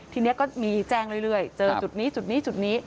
ทีนี้ก็มีแจ้งเรื่อยเจอจุดนี้จุดนี้จุดนี้